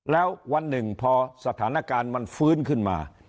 แล้ววันหนึ่งพอสถานการณ์มันฟื้นขึ้นมา